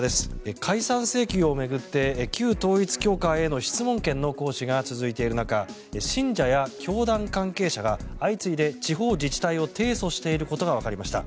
解散命令を巡って旧統一教会への質問権の行使が続いている中信者や教団関係者が相次いで地方自治体を提訴していることがわかりました。